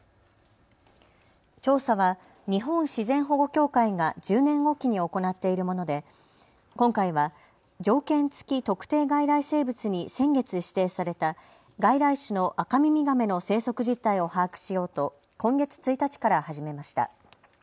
調査は日本自然保護協会が１０年置きに行っているもので今回は条件付特定外来生物に先月指定された外来種のアカミミガメの生息実態を把握しようと今月１日から始めました。